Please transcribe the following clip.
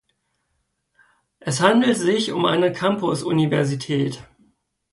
Es handelt sich um eine Campusuniversität.